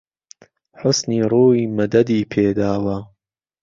حوسنی ڕووی مەدەدی پێ داوە